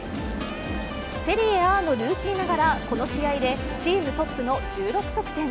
セリエＡのルーキーながら、この試合でチームトップの１６得点。